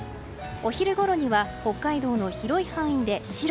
お昼ごろには北海道の広い範囲で白。